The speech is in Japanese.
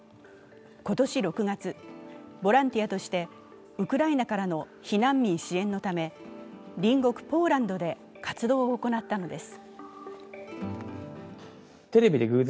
今年６月、ボランティアとしてウクライナからの避難民支援のため隣国ポーランドで活動を行ったのです。